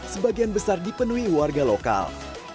sebagian besar dipenuhi warga lokal